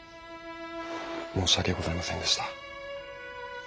申し訳ございませんでした。